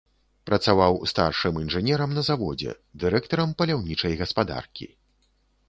Працаваў старшым інжынерам на заводзе, дырэктарам паляўнічай гаспадаркі.